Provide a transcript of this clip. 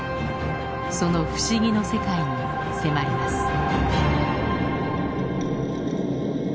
その不思議の世界に迫ります。